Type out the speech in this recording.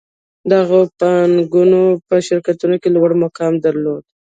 دغو بانکونو په شرکتونو کې لوړ مقام درلود